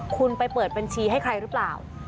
คุณไปเปิดบัญชีให้ใครหรือเปล่า